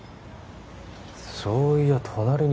そういや「隣に」